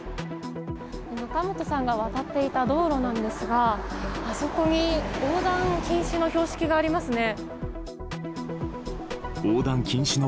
仲本さんが渡っていた道路なんですがあそこに横断禁止の標識がありますね。